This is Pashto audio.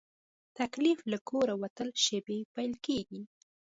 تکلیف له کوره وتلو شېبې پیل کېږي.